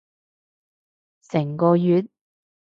成個月？